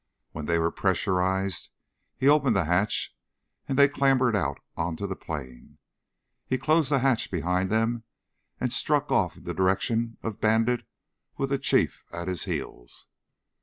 When they were pressurized, he opened the hatch and they clambered out onto the plain. He closed the hatch behind them and struck off in the direction of Bandit with the Chief at his heels.